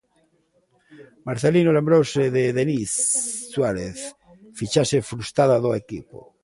Marcelino lembrouse de Denis Suárez, fichaxe frustrada do equipo.